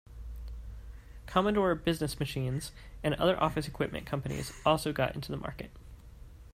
Commodore Business Machines and other office equipment companies also got into the market.